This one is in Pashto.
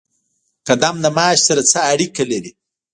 قدم د معاش سره څه اړیکه لري؟